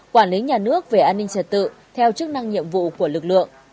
quản lý nhà nước về an ninh trật tự theo chức năng nhiệm vụ của lực lượng